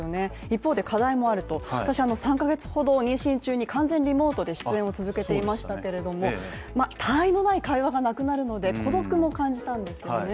一方で課題もあると、私３カ月ほど妊娠中に完全リモートで出演を続けていましたけれども、たわいのない会話がなくなるので孤独も感じたんですよね。